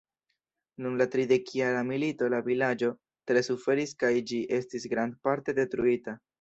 Dum la tridekjara milito la vilaĝo tre suferis kaj ĝi estis grandparte detruita.